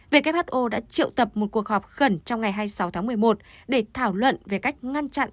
who đã triệu tập một cuộc họp khẩn trong ngày hai mươi sáu tháng một mươi một để thảo luận về cách ngăn chặn